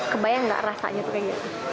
kebayang gak rasanya tuh kayaknya